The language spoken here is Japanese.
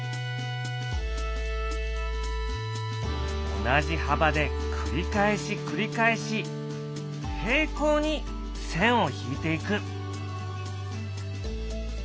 同じ幅で繰り返し繰り返し平行に線を引いていく。